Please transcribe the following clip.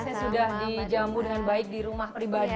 saya sudah dijamu dengan baik di rumah pribadi loh